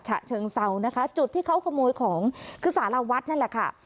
ฉะเชิงเซานะคะจุดที่เขาขโมยของคือสารวัฒน์นั่นแหละค่ะ